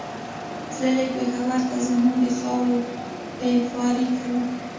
تللی پېښور ته زموږ د خاورې بېپاري کوي